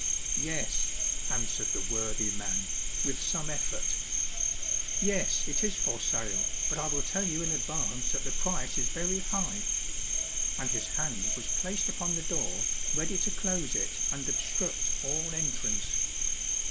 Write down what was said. " "Yes," answered the worthy man, with some House for Sale ! 245 effort. *' Yes, it is for sale, but I will tell you in advance that the price is very high;" and his hand was placed upon the door, ready to close it and obstruct all entrance.